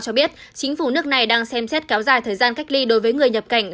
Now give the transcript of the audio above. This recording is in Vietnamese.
cho biết chính phủ nước này đang xem xét kéo dài thời gian cách ly đối với người nhập cảnh